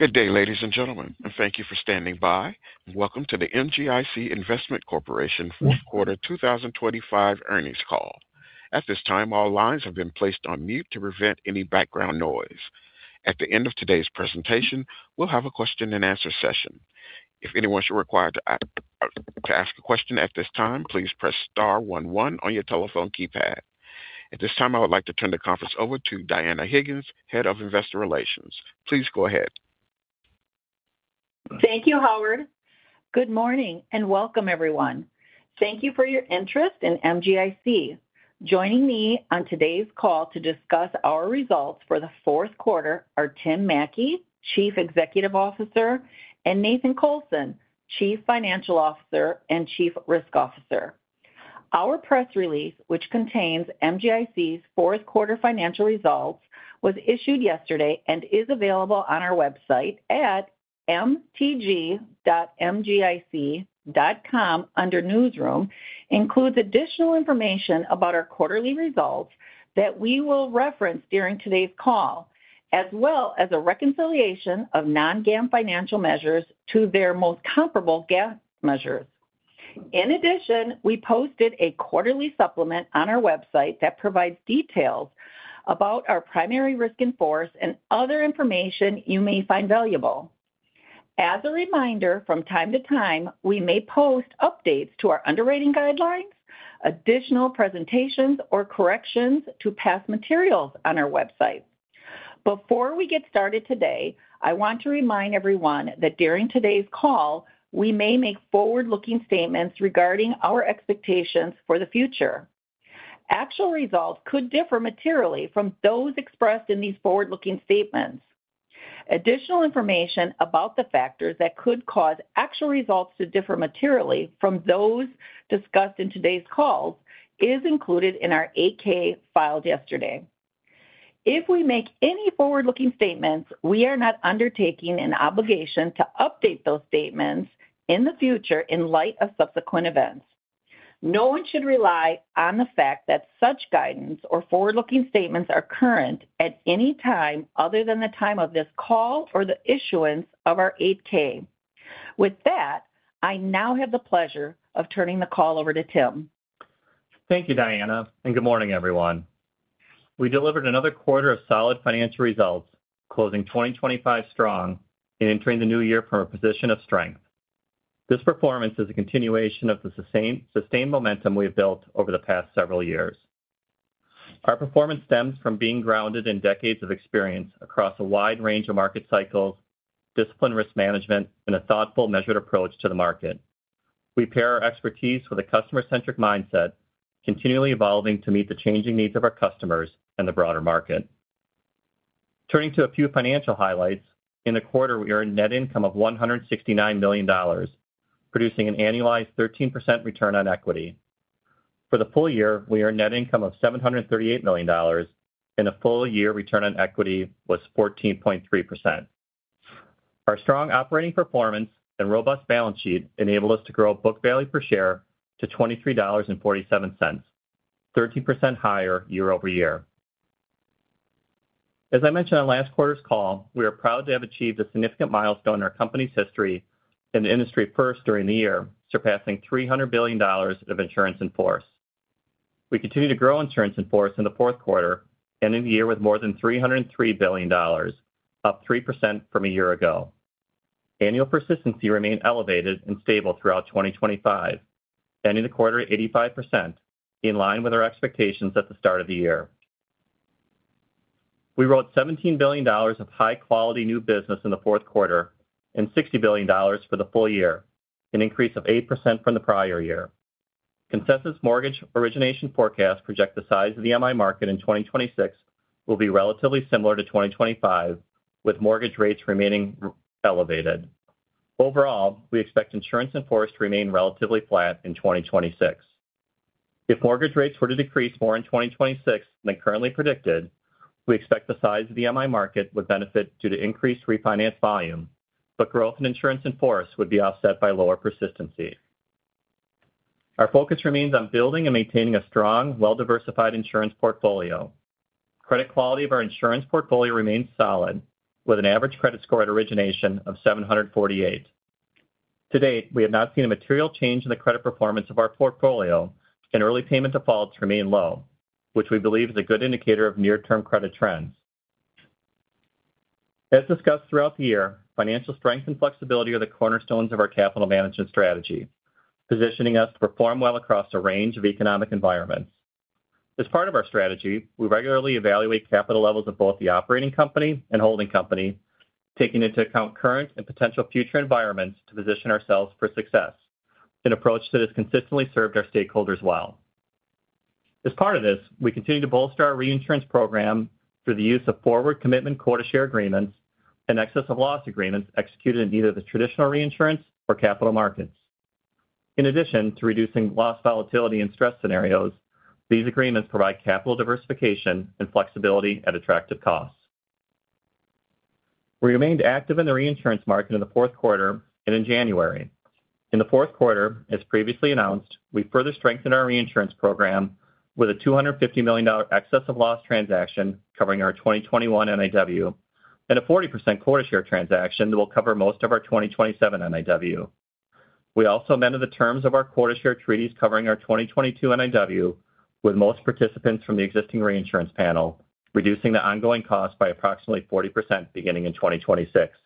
Good day, ladies and gentlemen, and thank you for standing by. Welcome to the MGIC Investment Corporation Fourth Quarter 2025 Earnings Call. At this time, all lines have been placed on mute to prevent any background noise. At the end of today's presentation, we'll have a question and answer session. If anyone should require to ask a question at this time, please press star one one on your telephone keypad. At this time, I would like to turn the conference over to Dianna Higgins, Head of Investor Relations. Please go ahead. Thank you, Howard. Good morning, and welcome, everyone. Thank you for your interest in MGIC. Joining me on today's call to discuss our results for the fourth quarter are Tim Mattke, Chief Executive Officer, and Nathan Colson, Chief Financial Officer and Chief Risk Officer. Our press release, which contains MGIC's fourth quarter financial results, was issued yesterday and is available on our website at mtg.mgic.com under Newsroom. It includes additional information about our quarterly results that we will reference during today's call, as well as a reconciliation of non-GAAP financial measures to their most comparable GAAP measures. In addition, we posted a quarterly supplement on our website that provides details about our primary risk in force and other information you may find valuable. As a reminder, from time to time, we may post updates to our underwriting guidelines, additional presentations, or corrections to past materials on our website. Before we get started today, I want to remind everyone that during today's call, we may make forward-looking statements regarding our expectations for the future. Actual results could differ materially from those expressed in these forward-looking statements. Additional information about the factors that could cause actual results to differ materially from those discussed in today's call is included in our 8-K filed yesterday. If we make any forward-looking statements, we are not undertaking an obligation to update those statements in the future in light of subsequent events. No one should rely on the fact that such guidance or forward-looking statements are current at any time other than the time of this call or the issuance of our 8-K. With that, I now have the pleasure of turning the call over to Tim. Thank you, Dianna, and good morning, everyone. We delivered another quarter of solid financial results, closing 2025 strong and entering the new year from a position of strength. This performance is a continuation of the sustained momentum we've built over the past several years. Our performance stems from being grounded in decades of experience across a wide range of market cycles, disciplined risk management, and a thoughtful, measured approach to the market. We pair our expertise with a customer-centric mindset, continually evolving to meet the changing needs of our customers and the broader market. Turning to a few financial highlights, in the quarter, we earned net income of $169 million, producing an annualized 13% return on equity. For the full year, we earned net income of $738 million, and a full year return on equity was 14.3%. Our strong operating performance and robust balance sheet enabled us to grow book value per share to $23.47, 13% higher year-over-year. As I mentioned on last quarter's call, we are proud to have achieved a significant milestone in our company's history and an industry first during the year, surpassing $300 billion of insurance in force. We continue to grow insurance in force in the fourth quarter, ending the year with more than $303 billion, up 3% from a year ago. Annual persistency remained elevated and stable throughout 2025, ending the quarter at 85%, in line with our expectations at the start of the year. We wrote $17 billion of high-quality new business in the fourth quarter and $60 billion for the full year, an increase of 8% from the prior year. Consensus mortgage origination forecasts project the size of the MI market in 2026 will be relatively similar to 2025, with mortgage rates remaining elevated. Overall, we expect insurance in force to remain relatively flat in 2026. If mortgage rates were to decrease more in 2026 than currently predicted, we expect the size of the MI market would benefit due to increased refinance volume, but growth in insurance in force would be offset by lower persistency. Our focus remains on building and maintaining a strong, well-diversified insurance portfolio. Credit quality of our insurance portfolio remains solid, with an average credit score at origination of 748. To date, we have not seen a material change in the credit performance of our portfolio, and early payment defaults remain low, which we believe is a good indicator of near-term credit trends. As discussed throughout the year, financial strength and flexibility are the cornerstones of our capital management strategy, positioning us to perform well across a range of economic environments. As part of our strategy, we regularly evaluate capital levels of both the operating company and holding company, taking into account current and potential future environments to position ourselves for success, an approach that has consistently served our stakeholders well. As part of this, we continue to bolster our reinsurance program through the use of forward commitment quota share agreements and excess of loss agreements executed in either the traditional reinsurance or capital markets. In addition to reducing loss volatility and stress scenarios, these agreements provide capital diversification and flexibility at attractive costs. We remained active in the reinsurance market in the fourth quarter and in January. In the fourth quarter, as previously announced, we further strengthened our reinsurance program with a $250 million excess of loss transaction covering our 2021 NIW, and a 40% quota share transaction that will cover most of our 2027 NIW. We also amended the terms of our quota share treaties covering our 2022 NIW, with most participants from the existing reinsurance panel, reducing the ongoing cost by approximately 40% beginning in 2026.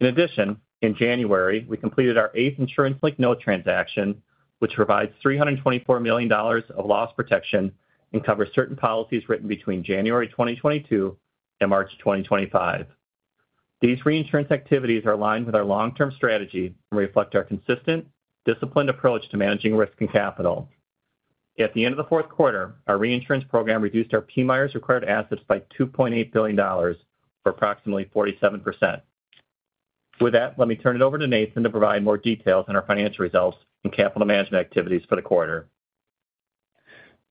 In addition, in January, we completed our eighth insurance-linked note transaction, which provides $324 million of loss protection and covers certain policies written between January 2022 and March 2025. These reinsurance activities are aligned with our long-term strategy and reflect our consistent, disciplined approach to managing risk and capital. At the end of the fourth quarter, our reinsurance program reduced our PMIERs required assets by $2.8 billion, or approximately 47%. With that, let me turn it over to Nathan to provide more details on our financial results and capital management activities for the quarter.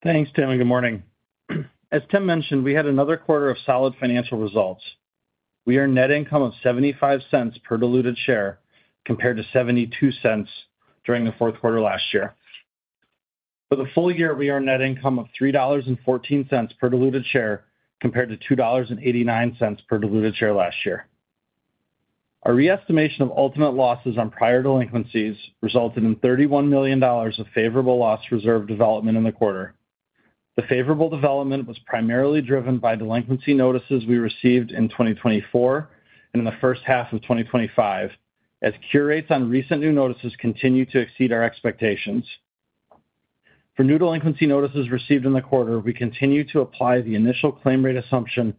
Thanks, Tim, and good morning. As Tim mentioned, we had another quarter of solid financial results. We earned net income of $0.75 per diluted share, compared to $0.72 during the fourth quarter last year. For the full year, we earned net income of $3.14 per diluted share, compared to $2.89 per diluted share last year. Our re-estimation of ultimate losses on prior delinquencies resulted in $31 million of favorable loss reserve development in the quarter. The favorable development was primarily driven by delinquency notices we received in 2024 and in the first half of 2025, as cure rates on recent new notices continue to exceed our expectations. For new delinquency notices received in the quarter, we continue to apply the initial claim rate assumption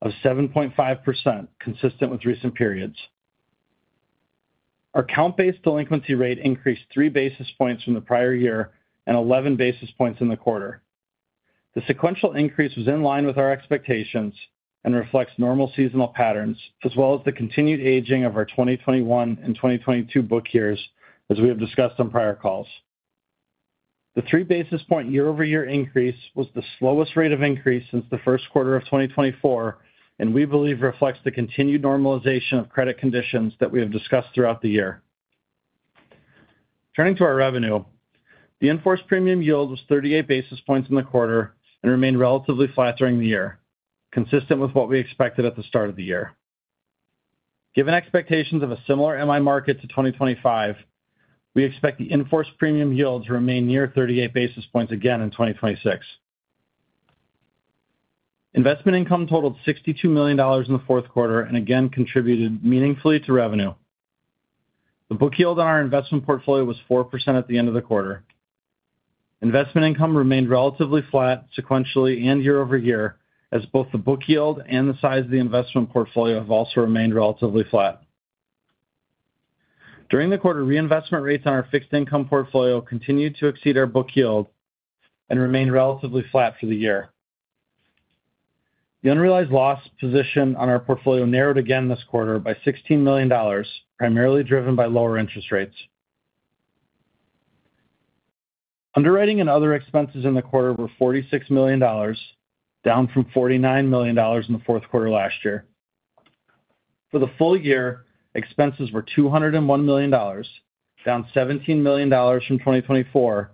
of 7.5%, consistent with recent periods. Our count-based delinquency rate increased 3 basis points from the prior year and 11 basis points in the quarter. The sequential increase was in line with our expectations and reflects normal seasonal patterns, as well as the continued aging of our 2021 and 2022 book years, as we have discussed on prior calls. The 3 basis point year-over-year increase was the slowest rate of increase since the first quarter of 2024, and we believe reflects the continued normalization of credit conditions that we have discussed throughout the year. Turning to our revenue, the in-force premium yield was 38 basis points in the quarter and remained relatively flat during the year, consistent with what we expected at the start of the year. Given expectations of a similar MI market to 2025, we expect the in-force premium yield to remain near 38 basis points again in 2026. Investment income totaled $62 million in the fourth quarter and again contributed meaningfully to revenue. The book yield on our investment portfolio was 4% at the end of the quarter. Investment income remained relatively flat sequentially and year-over-year, as both the book yield and the size of the investment portfolio have also remained relatively flat. During the quarter, reinvestment rates on our fixed income portfolio continued to exceed our book yield and remained relatively flat for the year. The unrealized loss position on our portfolio narrowed again this quarter by $16 million, primarily driven by lower interest rates. Underwriting and other expenses in the quarter were $46 million, down from $49 million in the fourth quarter last year. For the full year, expenses were $201 million, down $17 million from 2024,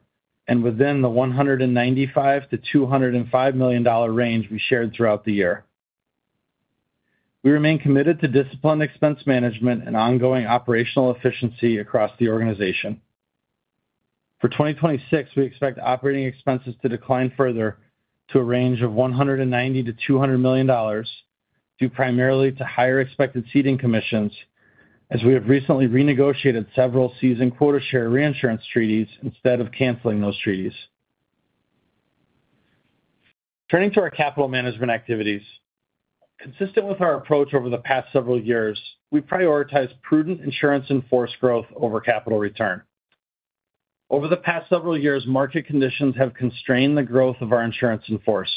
and within the $195 million-$205 million range we shared throughout the year. We remain committed to disciplined expense management and ongoing operational efficiency across the organization. For 2026, we expect operating expenses to decline further to a range of $190 million-$200 million, due primarily to higher expected ceding commissions, as we have recently renegotiated several seasonal quota share reinsurance treaties instead of canceling those treaties. Turning to our capital management activities. Consistent with our approach over the past several years, we prioritize prudent insurance in force growth over capital return. Over the past several years, market conditions have constrained the growth of our insurance in force.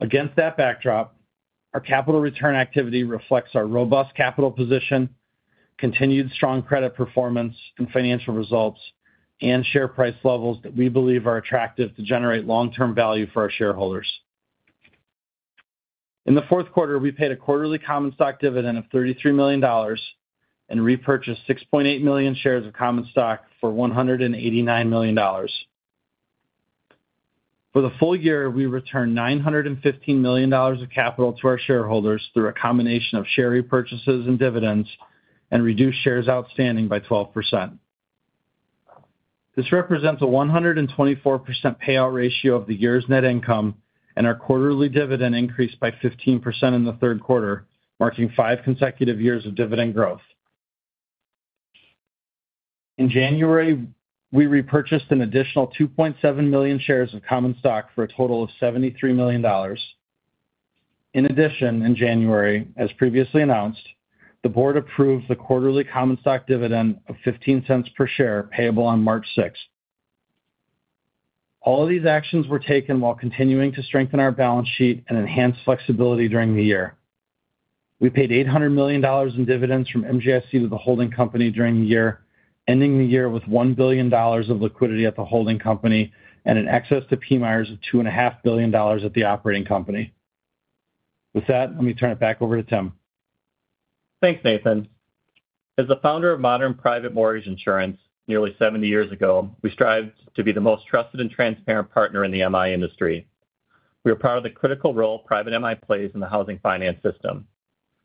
Against that backdrop, our capital return activity reflects our robust capital position, continued strong credit performance and financial results, and share price levels that we believe are attractive to generate long-term value for our shareholders. In the fourth quarter, we paid a quarterly common stock dividend of $33 million and repurchased 6.8 million shares of common stock for $189 million. For the full year, we returned $915 million of capital to our shareholders through a combination of share repurchases and dividends and reduced shares outstanding by 12%. This represents a 124% payout ratio of the year's net income, and our quarterly dividend increased by 15% in the third quarter, marking five consecutive years of dividend growth. In January, we repurchased an additional 2.7 million shares of common stock for a total of $73 million. In addition, in January, as previously announced, the board approved the quarterly common stock dividend of $0.15 per share, payable on March sixth. All of these actions were taken while continuing to strengthen our balance sheet and enhance flexibility during the year. We paid $800 million in dividends from MGIC to the holding company during the year, ending the year with $1 billion of liquidity at the holding company and an excess to PMIERs of $2.5 billion at the operating company. With that, let me turn it back over to Tim. Thanks, Nathan. As the founder of Mortgage Guaranty Insurance Corporation nearly 70 years ago, we strive to be the most trusted and transparent partner in the MI industry. We are proud of the critical role private MI plays in the housing finance system.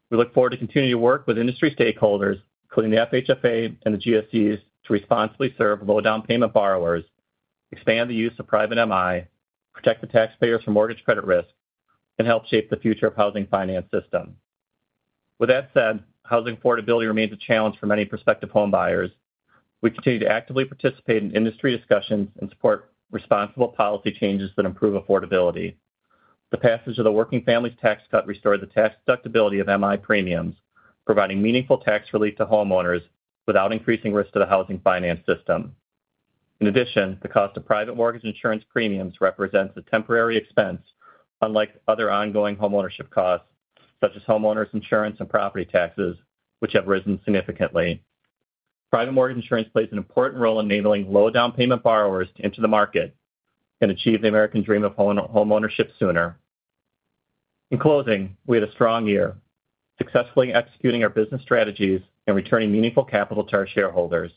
We look forward to continuing to work with industry stakeholders, including the FHFA and the GSEs, to responsibly serve low down payment borrowers, expand the use of private MI, protect the taxpayers from mortgage credit risk, and help shape the future of housing finance system. With that said, housing affordability remains a challenge for many prospective home buyers. We continue to actively participate in industry discussions and support responsible policy changes that improve affordability. The passage of the Working Families Tax Cut restored the tax deductibility of MI premiums, providing meaningful tax relief to homeowners without increasing risk to the housing finance system. In addition, the cost of private mortgage insurance premiums represents a temporary expense, unlike other ongoing homeownership costs, such as homeowners insurance and property taxes, which have risen significantly. Private mortgage insurance plays an important role in enabling low down payment borrowers to enter the market and achieve the American dream of homeownership sooner. In closing, we had a strong year, successfully executing our business strategies and returning meaningful capital to our shareholders.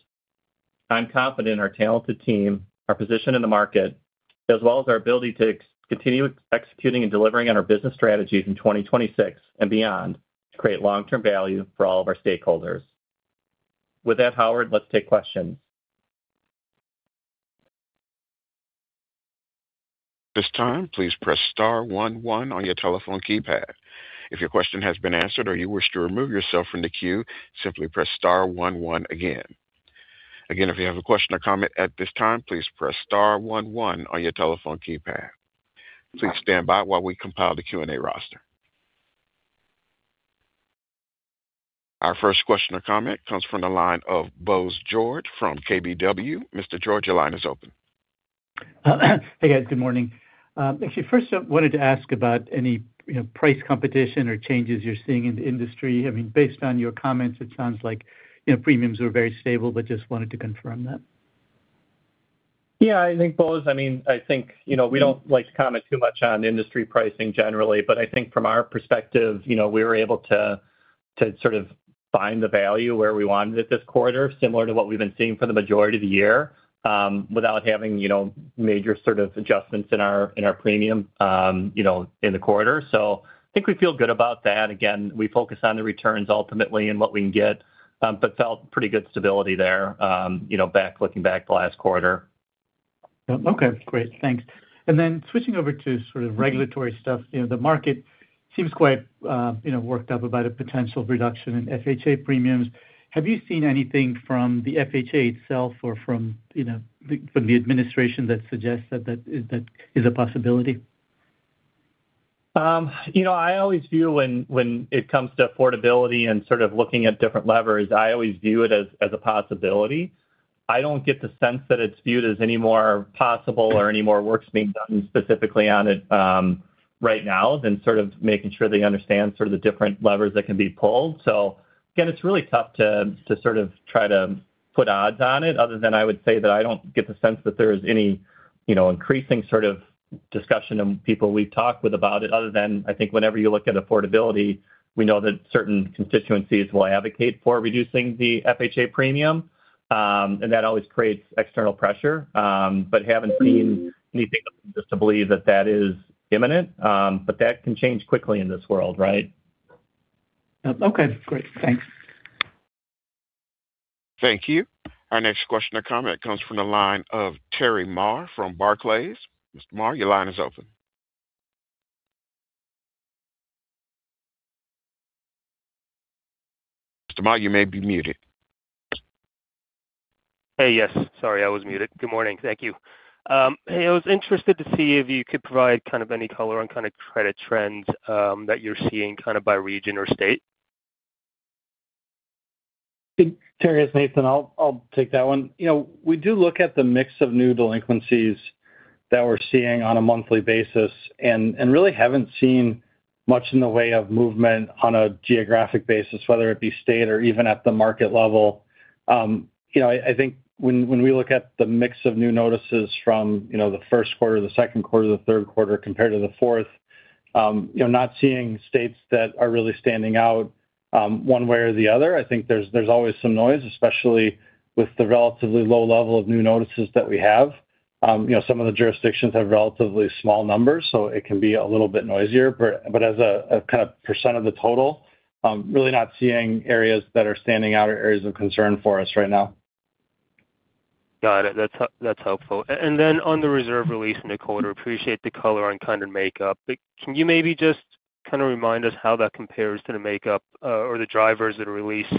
I'm confident in our talented team, our position in the market, as well as our ability to continue executing and delivering on our business strategies in 2026 and beyond, to create long-term value for all of our stakeholders. With that, Howard, let's take questions. At this time, please press star one one on your telephone keypad. If your question has been answered or you wish to remove yourself from the queue, simply press star one one again. Again, if you have a question or comment at this time, please press star one one on your telephone keypad. Please stand by while we compile the Q&A roster. Our first question or comment comes from the line of Bose George from KBW. Mr. George, your line is open. Hey, guys, good morning. Actually, first I wanted to ask about any, you know, price competition or changes you're seeing in the industry. I mean, based on your comments, it sounds like, you know, premiums were very stable, but just wanted to confirm that. Yeah, I think, Bose, I mean, I think, you know, we don't like to comment too much on industry pricing generally, but I think from our perspective, you know, we were able to, to sort of find the value where we wanted it this quarter, similar to what we've been seeing for the majority of the year, without having, you know, major sort of adjustments in our, in our premium, you know, in the quarter. So I think we feel good about that. Again, we focus on the returns ultimately and what we can get, but felt pretty good stability there, you know, looking back the last quarter. Okay, great. Thanks. And then switching over to sort of regulatory stuff, you know, the market seems quite, you know, worked up about a potential reduction in FHA premiums. Have you seen anything from the FHA itself or from, you know, from the administration that suggests that that is, that is a possibility? You know, I always view when it comes to affordability and sort of looking at different levers, I always view it as a possibility. I don't get the sense that it's viewed as any more possible or any more work's being done specifically on it, right now than sort of making sure they understand sort of the different levers that can be pulled. So again, it's really tough to sort of try to put odds on it, other than I would say that I don't get the sense that there is any, you know, increasing sort of discussion of people we've talked with about it, other than I think whenever you look at affordability, we know that certain constituencies will advocate for reducing the FHA premium, and that always creates external pressure. But haven't seen anything just to believe that that is imminent. But that can change quickly in this world, right? Okay, great. Thanks. Thank you. Our next question or comment comes from the line of Terry Ma from Barclays. Mr. Ma, your line is open. Mr. Ma, you may be muted. Hey, yes, sorry, I was muted. Good morning. Thank you. Hey, I was interested to see if you could provide kind of any color on kind of credit trends that you're seeing kind of by region or state. Terry, it's Nathan. I'll take that one. You know, we do look at the mix of new delinquencies that we're seeing on a monthly basis and really haven't seen much in the way of movement on a geographic basis, whether it be state or even at the market level. You know, I think when we look at the mix of new notices from, you know, the first quarter, the second quarter, the third quarter, compared to the fourth, you know, not seeing states that are really standing out, one way or the other. I think there's always some noise, especially with the relatively low level of new notices that we have. You know, some of the jurisdictions have relatively small numbers, so it can be a little bit noisier. But as a kind of percent of the total, really not seeing areas that are standing out or areas of concern for us right now. Got it. That's helpful. And then on the reserve release in the quarter, appreciate the color and kind of makeup. But can you maybe just kind of remind us how that compares to the makeup, or the drivers that release,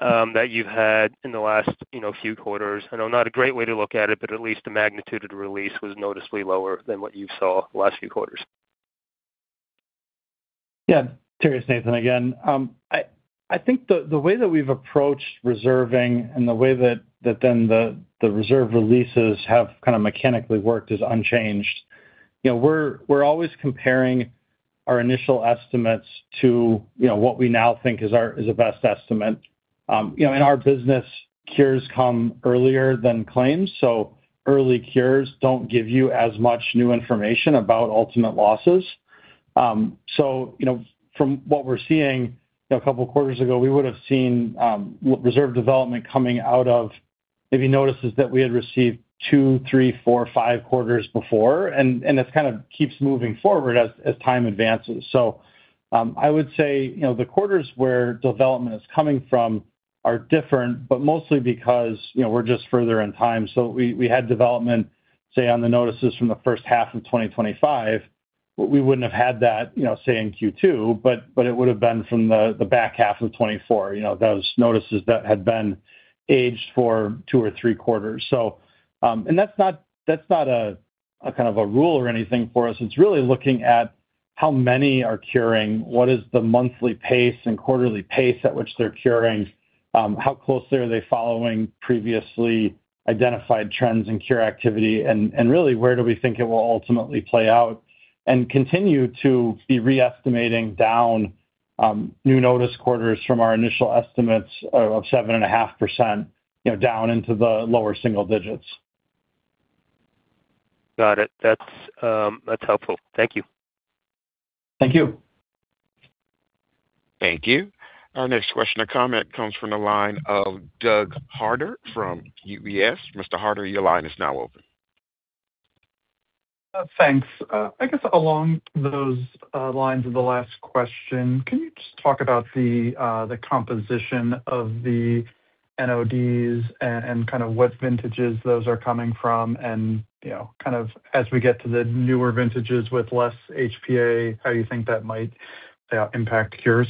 that you've had in the last, you know, few quarters? I know not a great way to look at it, but at least the magnitude of the release was noticeably lower than what you saw the last few quarters. Yeah. Terry, it's Nathan again. I think the way that we've approached reserving and the way that then the reserve releases have kind of mechanically worked is unchanged. You know, we're always comparing our initial estimates to, you know, what we now think is our best estimate. You know, in our business, cures come earlier than claims, so early cures don't give you as much new information about ultimate losses. So, you know, from what we're seeing, a couple of quarters ago, we would have seen reserve development coming out of maybe notices that we had received 2, 3, 4, 5 quarters before, and it kind of keeps moving forward as time advances. So, I would say, you know, the quarters where development is coming from are different, but mostly because, you know, we're just further in time. So we had development, say, on the notices from the first half of 2025, but we wouldn't have had that, you know, say, in Q2, but it would have been from the back half of 2024, you know, those notices that had been aged for two or three quarters. So, and that's not a kind of rule or anything for us. It's really looking at how many are curing, what is the monthly pace and quarterly pace at which they're curing? How closely are they following previously identified trends and cure activity? And really, where do we think it will ultimately play out and continue to be reestimating down new notice quarters from our initial estimates of 7.5%, you know, down into the lower single digits. Got it. That's, that's helpful. Thank you. Thank you. Thank you. Our next question or comment comes from the line of Doug Harter from UBS. Mr. Harter, your line is now open. Thanks. I guess along those lines of the last question, can you just talk about the composition of the NODs and kind of what vintages those are coming from, and, you know, kind of as we get to the newer vintages with less HPA, how you think that might impact cures?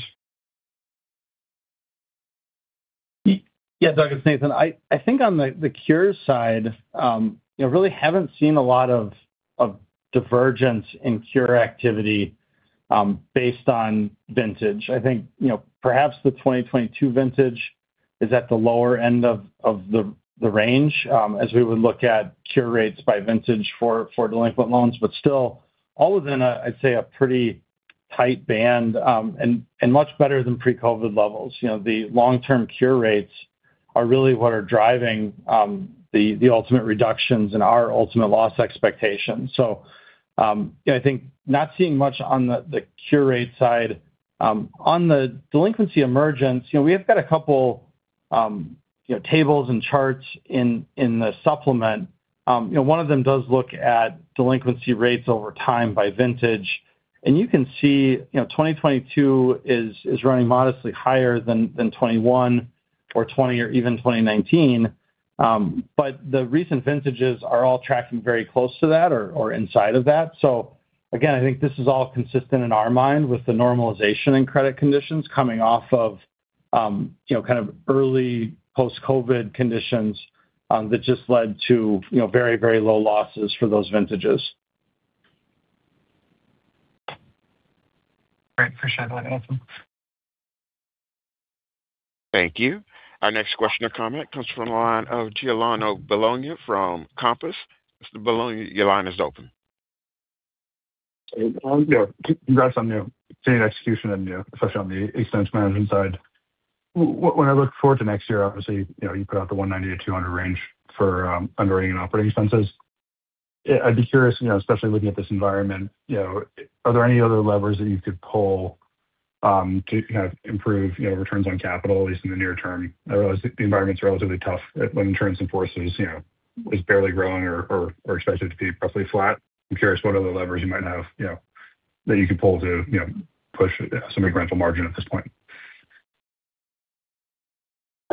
Yeah, Doug, it's Nathan. I think on the cure side, you know, really haven't seen a lot of divergence in cure activity based on vintage. I think, you know, perhaps the 2022 vintage is at the lower end of the range as we would look at cure rates by vintage for delinquent loans, but still all within a, I'd say, a pretty tight band, and much better than pre-COVID levels. You know, the long-term cure rates are really what are driving the ultimate reductions in our ultimate loss expectations. So, yeah, I think not seeing much on the cure rate side. On the delinquency emergence, you know, we have got a couple, you know, tables and charts in the supplement. You know, one of them does look at delinquency rates over time by vintage. And you can see, you know, 2022 is running modestly higher than 2021 or 2020 or even 2019. But the recent vintages are all tracking very close to that or inside of that. So again, I think this is all consistent in our mind with the normalization in credit conditions coming off of, you know, kind of early post-COVID conditions that just led to, you know, very, very low losses for those vintages. Great. Appreciate it. Thank you. Thank you. Our next question or comment comes from the line of Giuliano Bologna from Compass. Mr. Bologna, your line is open. Yeah, congrats on the continued execution and especially on the expense management side. When I look forward to next year, obviously, you know, you put out the $190-$200 range for underwriting and operating expenses. I'd be curious, you know, especially looking at this environment, you know, are there any other levers that you could pull to kind of improve, you know, returns on capital, at least in the near term? I realize the environment's relatively tough when insurance in force, you know, is barely growing or expected to be roughly flat. I'm curious what other levers you might have, you know, that you could pull to, you know, push some incremental margin at this point.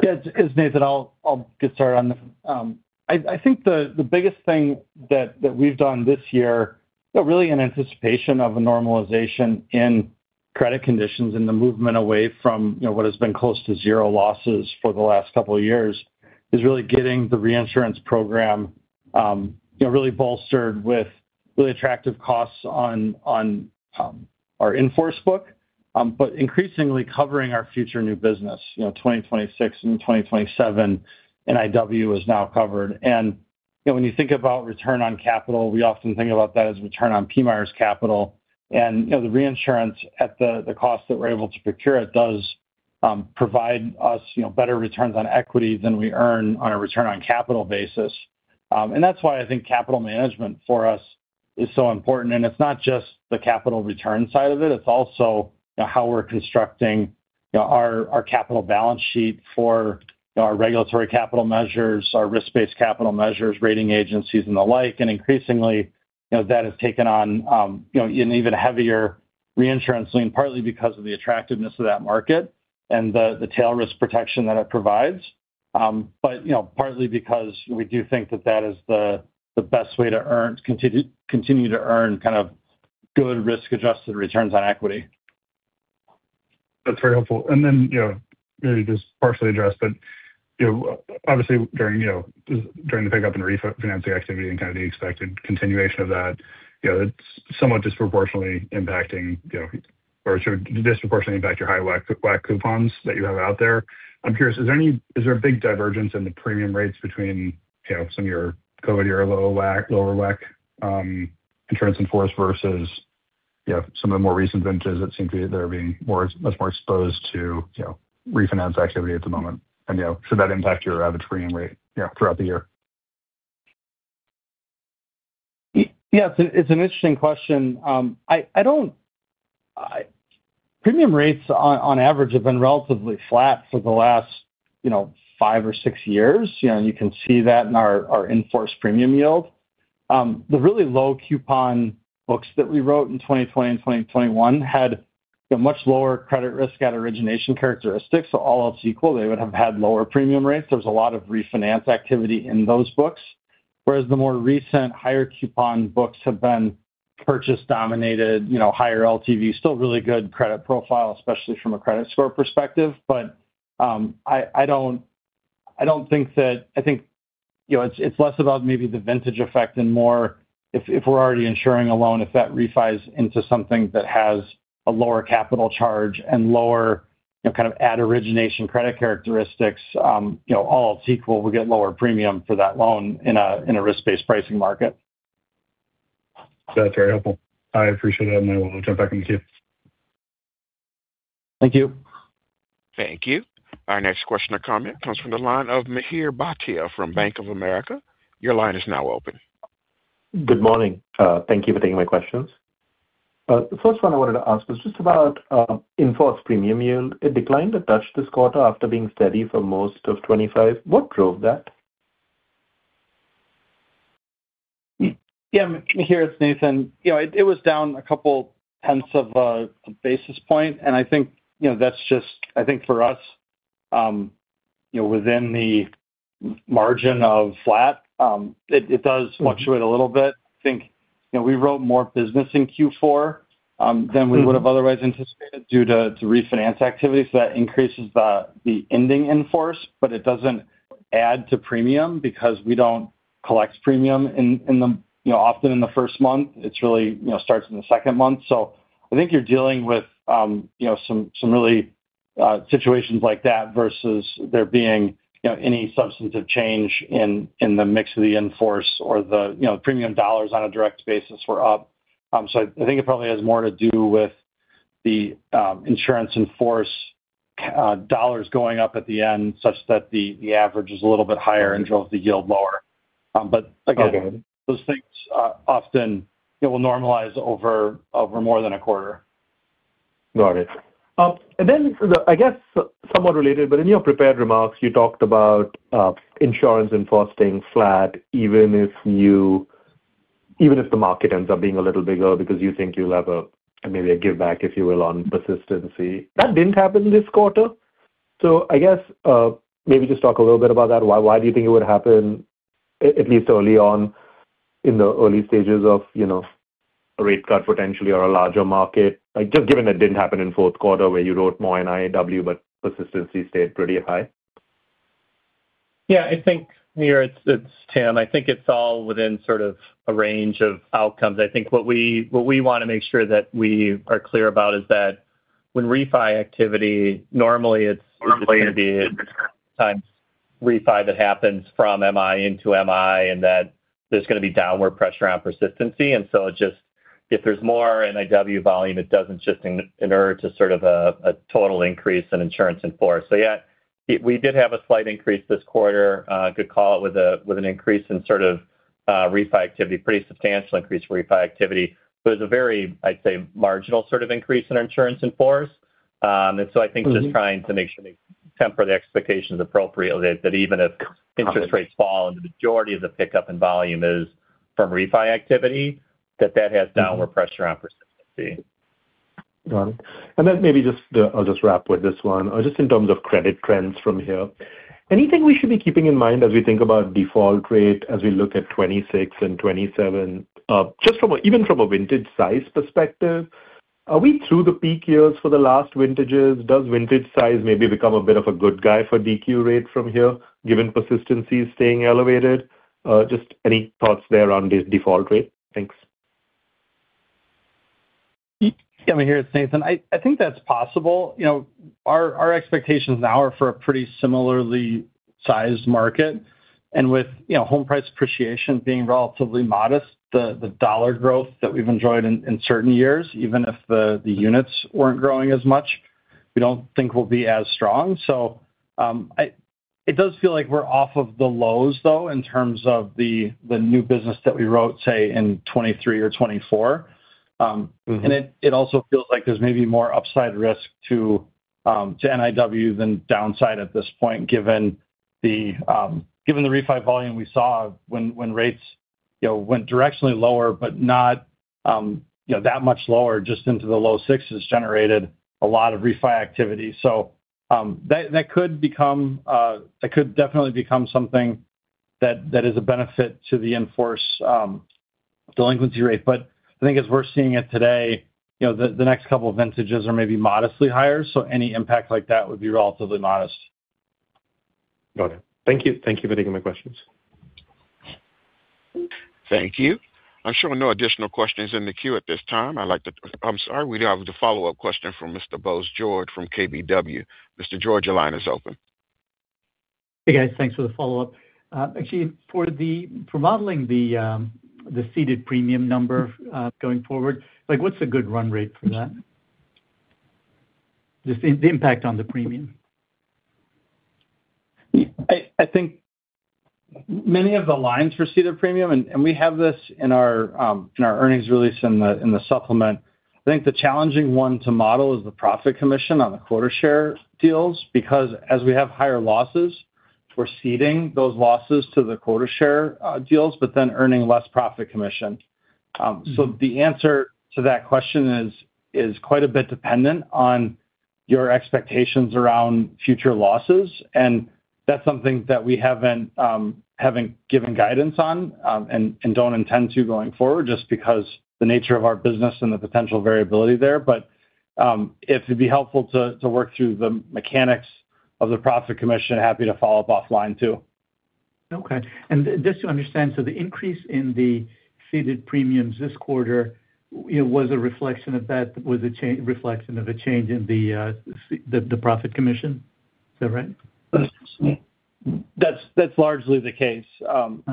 Yeah, this is Nathan. I'll get started on the. I think the biggest thing that we've done this year, really in anticipation of a normalization in credit conditions and the movement away from, you know, what has been close to zero losses for the last couple of years, is really getting the reinsurance program, you know, really bolstered with really attractive costs on our in-force book, but increasingly covering our future new business. You know, 2026 and 2027 NIW is now covered. And, you know, when you think about return on capital, we often think about that as return on PMI's capital. And, you know, the reinsurance at the cost that we're able to procure it does provide us, you know, better returns on equity than we earn on a return on capital basis. And that's why I think capital management for us is so important. And it's not just the capital return side of it, it's also, you know, how we're constructing, you know, our capital balance sheet for, you know, our regulatory capital measures, our risk-based capital measures, rating agencies, and the like. And increasingly, you know, that has taken on, you know, an even heavier reinsurance lean, partly because of the attractiveness of that market and the tail risk protection that it provides. But, you know, partly because we do think that that is the best way to continue to earn kind of good risk-adjusted returns on equity. That's very helpful. And then, you know, maybe this partially addressed, but, you know, obviously during, you know, during the pickup and refinancing activity and kind of the expected continuation of that, you know, it's somewhat disproportionately impacting, you know, or sort of disproportionately impact your high WAC, WAC coupons that you have out there. I'm curious, is there any-- is there a big divergence in the premium rates between, you know, some of your COVID or lower WAC, lower WAC, insurance in force versus- Yeah, some of the more recent vintages that seem to be, they're being more, much more exposed to, you know, refinance activity at the moment. And, you know, should that impact your average premium rate, yeah, throughout the year? Yes, it's an interesting question. Premium rates on average have been relatively flat for the last, you know, five or six years. You know, and you can see that in our in-force premium yield. The really low coupon books that we wrote in 2020 and 2021 had a much lower credit risk at origination characteristics. So all else equal, they would have had lower premium rates. There was a lot of refinance activity in those books. Whereas the more recent higher coupon books have been purchase-dominated, you know, higher LTV, still really good credit profile, especially from a credit score perspective. But, I don't think that, I think, you know, it's less about maybe the vintage effect and more if we're already insuring a loan, if that refis into something that has a lower capital charge and lower, you know, kind of, at origination credit characteristics, you know, all else equal, we get lower premium for that loan in a risk-based pricing market. That's very helpful. I appreciate it, and I will jump back in the queue. Thank you. Thank you. Our next question or comment comes from the line of Mihir Bhatia from Bank of America. Your line is now open. Good morning. Thank you for taking my questions. The first one I wanted to ask was just about in-force premium yield. It declined a touch this quarter after being steady for most of 25. What drove that? Yeah, Mihir, it's Nathan. You know, it was down a couple tenths of a basis point, and I think, you know, that's just, I think, for us, you know, within the margin of flat. It does fluctuate a little bit. I think, you know, we wrote more business in Q4 than we would have otherwise anticipated due to refinance activity. So that increases the ending in-force, but it doesn't add to premium because we don't collect premium in the, you know, often in the first month. It's really, you know, starts in the second month. So I think you're dealing with, you know, some really situations like that versus there being, you know, any substantive change in the mix of the in-force or the, you know, premium dollars on a direct basis were up. So I think it probably has more to do with the insurance in-force dollars going up at the end, such that the average is a little bit higher and drives the yield lower. But again- Okay. Those things, often, it will normalize over more than a quarter. Got it. And then I guess, somewhat related, but in your prepared remarks, you talked about insurance in-force staying flat, even if the market ends up being a little bigger because you think you'll have a maybe a giveback, if you will, on persistency. That didn't happen this quarter. So I guess, maybe just talk a little bit about that. Why do you think it would happen, at least early on in the early stages of, you know, a rate cut potentially or a larger market? Like, just given that didn't happen in fourth quarter, where you wrote more in NIW, but persistency stayed pretty high. Yeah, I think, Mihir, it's Tim. I think it's all within sort of a range of outcomes. I think what we wanna make sure that we are clear about is that when refi activity, normally it's going to be times refi that happens from MI into MI, and that there's gonna be downward pressure on persistency. And so it just. If there's more NIW volume, it doesn't just inure to sort of a total increase in insurance in force. So yeah, we did have a slight increase this quarter, good call with an increase in sort of refi activity, pretty substantial increase in refi activity. But it's a very, I'd say, marginal sort of increase in our insurance in force. And so I think just trying to make sure we temper the expectations appropriately, that even if interest rates fall, and the majority of the pickup in volume is from refi activity, that that has downward pressure on persistency. Got it. And then maybe just, I'll just wrap with this one. Just in terms of credit trends from here, anything we should be keeping in mind as we think about default rate, as we look at 2026 and 2027? Just from a, even from a vintage size perspective, are we through the peak years for the last vintages? Does vintage size maybe become a bit of a good guy for DQ rate from here, given persistency is staying elevated? Just any thoughts there on the default rate? Thanks. Yeah, Mihir, it's Nathan. I think that's possible. You know, our expectations now are for a pretty similarly sized market. And with, you know, home price appreciation being relatively modest, the dollar growth that we've enjoyed in certain years, even if the units weren't growing as much, we don't think will be as strong. So, it does feel like we're off of the lows, though, in terms of the new business that we wrote, say, in 2023 or 2024. And it also feels like there's maybe more upside risk to NIW than downside at this point, given the refi volume we saw when rates, you know, went directionally lower but not, you know, that much lower, just into the low sixes, generated a lot of refi activity. So, that could definitely become something that is a benefit to the in-force delinquency rate. But I think as we're seeing it today, you know, the next couple of vintages are maybe modestly higher, so any impact like that would be relatively modest. Got it. Thank you. Thank you for taking my questions. Thank you. I'm showing no additional questions in the queue at this time. I'd like to. I'm sorry. We do have a follow-up question from Mr. Bose George from KBW. Mr. George, your line is open. Hey, guys, thanks for the follow-up. Actually, for modeling the ceded premium number, going forward, like, what's a good run rate for that? Just the impact on the premium. I think many of the lines for ceded premium, and we have this in our earnings release in the supplement. I think the challenging one to model is the profit commission on the quota share deals, because as we have higher losses, we're ceding those losses to the quota share deals, but then earning less profit commission. So the answer to that question is quite a bit dependent on your expectations around future losses, and that's something that we haven't given guidance on, and don't intend to going forward, just because the nature of our business and the potential variability there. But if it'd be helpful to work through the mechanics of the profit commission, happy to follow up offline, too. Okay. And just to understand, so the increase in the ceded premiums this quarter, it was a reflection of that, was a reflection of a change in the profit commission? Is that right? That's largely the case. You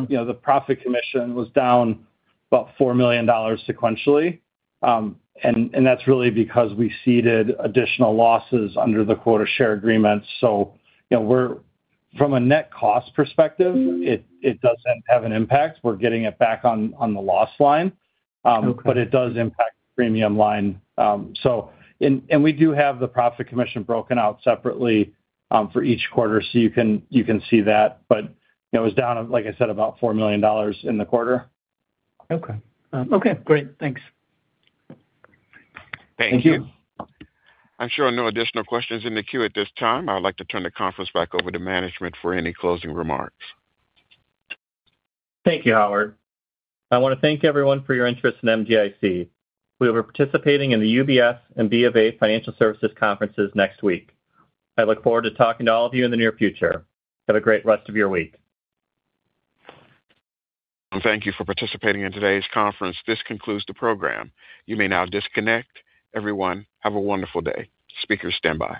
know, the profit commission was down about $4 million sequentially. And that's really because we ceded additional losses under the quota share agreements. So you know, we're, from a net cost perspective, it doesn't have an impact. We're getting it back on the loss line. Okay. But it does impact premium line. So, and we do have the profit commission broken out separately, for each quarter, so you can, you can see that. But, you know, it was down, like I said, about $4 million in the quarter. Okay. Okay, great. Thanks. Thank you. I'm showing no additional questions in the queue at this time. I would like to turn the conference back over to management for any closing remarks. Thank you, Howard. I want to thank everyone for your interest in MGIC. We will be participating in the UBS and BofA Financial Services conferences next week. I look forward to talking to all of you in the near future. Have a great rest of your week. Thank you for participating in today's conference. This concludes the program. You may now disconnect. Everyone, have a wonderful day. Speakers, stand by.